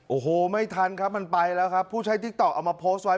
โอ้โหไม่ทันครับมันไปแล้วครับผู้ใช้ติ๊กต๊อกเอามาโพสต์ไว้